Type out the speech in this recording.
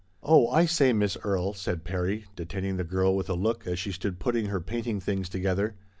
" Oh ! I say, Miss Erie," said Perry, detain ing the girl with a look as she stood putting her painting things together.